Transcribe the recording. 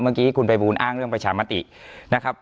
เมื่อกี้คุณภัยบูลอ้างเรื่องประชามตินะครับ